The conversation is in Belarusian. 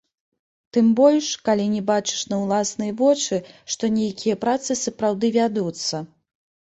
Тым больш, калі не бачыш на ўласныя вочы, што нейкія працы сапраўды вядуцца.